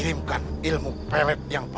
hei lepaskan dia